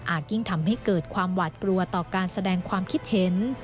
ยิ่งทำให้เกิดความหวาดกลัวต่อการแสดงความคิดเห็น